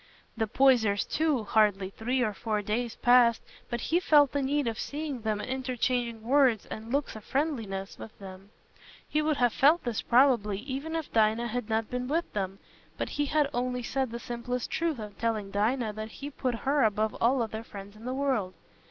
The Poysers, too—hardly three or four days passed but he felt the need of seeing them and interchanging words and looks of friendliness with them. He would have felt this, probably, even if Dinah had not been with them, but he had only said the simplest truth in telling Dinah that he put her above all other friends in the world.